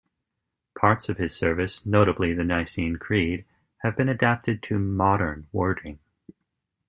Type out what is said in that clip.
Parts of his service, notably the Nicene Creed, have been adapted to "modern" wording.